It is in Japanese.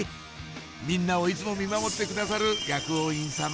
みんなをいつも見守ってくださる薬王院様